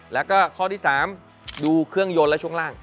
แล้วก็ข้อที่๓ดูเครื่องยนต์และช่วงล่าง